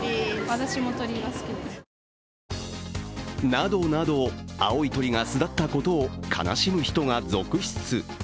などなど、青い鳥が巣立ったことを悲しむ人が続出。